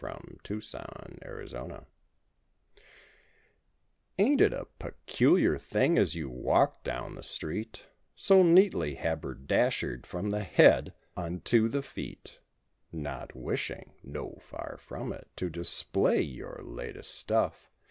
THE MAN YOU OWE Ain't it a peculiar thing as you walk down the street So neatly haberdashered from the head unto the feet— Not wishing (no, far from it) to display your (?) latest stuff.